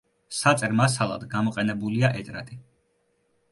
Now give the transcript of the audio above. საწერ მასალად გამოყენებულია ეტრატი.